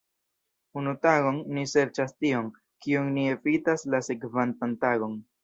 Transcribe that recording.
Unu tagon, ni serĉas tion, kion ni evitas la sekvantan tagon.